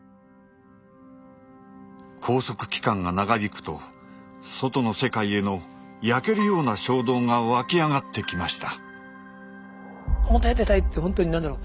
拘束期間が長引くと外の世界への焼けるような衝動が湧き上がってきました。